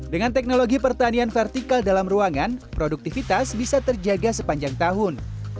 dengan teknologi pertanian vertikal dalam ruangan produktivitas bisa terjaga sepanjang tahun